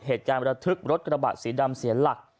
เหตุการณ์ประทึกรถกระบะสีดำเสียหลัก